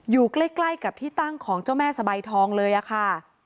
อยู่ใกล้กับที่ตั้งของเจ้าแม่สบายทองเลยอะค่ะ